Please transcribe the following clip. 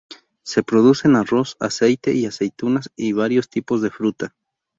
Se producen arroz, aceite y aceitunas y varios tipos de fruta.